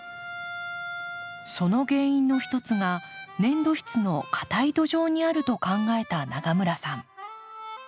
その原因の一つが粘土質のかたい土壌にあると考えた永村さん。